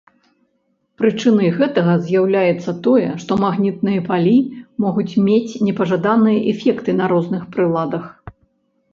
Прычынай гэтага з'яўляецца тое, што магнітныя палі могуць мець непажаданыя эфекты на розных прыладах.